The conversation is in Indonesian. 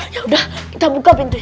ya udah kita buka pintunya